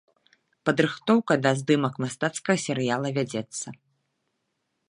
Падрыхтоўка да здымак мастацкага серыяла вядзецца.